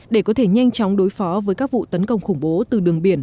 để có thể nhanh chóng đối phó với các vụ tấn công khủng bố từ đường biển